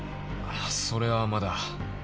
それはまだ。